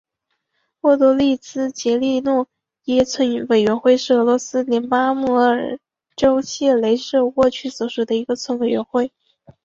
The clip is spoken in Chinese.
沃多拉兹杰利诺耶村委员会是俄罗斯联邦阿穆尔州谢雷舍沃区所属的一个村委员会。